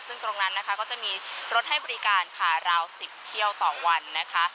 ซึ่งตรงนั้นนะคะก็จะมีรถให้บริการค่ะราว๑๐เที่ยวต่อวันนะคะ